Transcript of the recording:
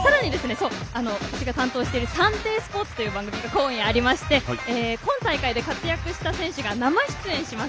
そして「サンデースポーツ」という番組もあって今大会で活躍した選手が生出演します。